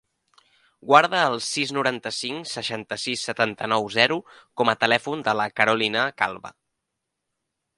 Guarda el sis, noranta-cinc, seixanta-sis, setanta-nou, zero com a telèfon de la Carolina Calva.